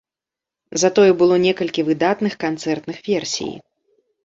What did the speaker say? Затое было некалькі выдатных канцэртных версій.